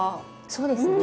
そうですね。